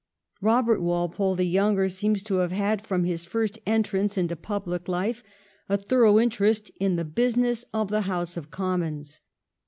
Eobert Walpole the younger, seems to have had, from his first entrance into public life, a thorough interest in the business of the House of Commons.